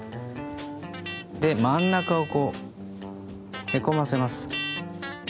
で真ん中をこうへこませます。